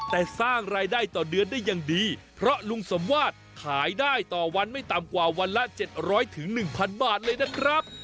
แต่สร้างรายได้ต่อเดือนได้ยังดีเพราะลุงสมวาสขายได้ต่อวันไม่ต่ำกว่าวันละเจ็ดร้อยถึงหนึ่งพันบาทเลยนะครับ